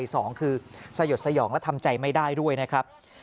สองคือสยดสยองและทำใจไม่ได้ด้วยนะครับ